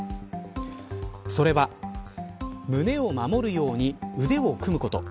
それは、胸を守るように腕を組むこと。